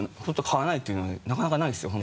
変わらないっていうのなかなかないですよ